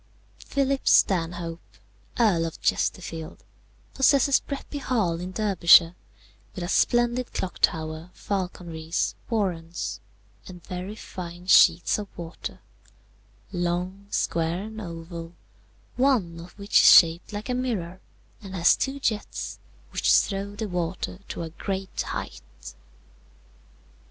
"Philip Stanhope, Earl of Chesterfield, possesses Bretby Hall in Derbyshire, with a splendid clock tower, falconries, warrens, and very fine sheets of water, long, square, and oval, one of which is shaped like a mirror, and has two jets, which throw the water to a great height.